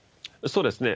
そうですね。